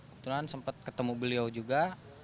kebetulan sempat ketemu beliau juga